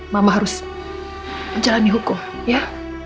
mama harus menjalani hukum ya